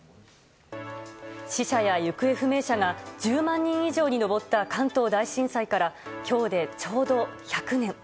死者や行方不明者が１０万人以上に上った関東大震災から今日でちょうど１００年。